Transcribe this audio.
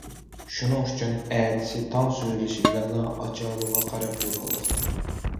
شۇنىڭ ئۈچۈن، ئەتىسى تاڭ سۈزۈلۈشى بىلەنلا ئاچالغا قاراپ يول ئالدۇق.